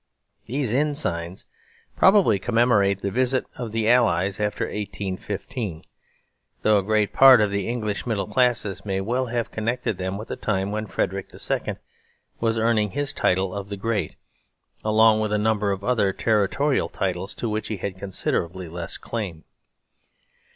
These inn signs probably commemorate the visit of the Allies after 1815, though a great part of the English middle classes may well have connected them with the time when Frederick II. was earning his title of the Great, along with a number of other territorial titles to which he had considerably less claim.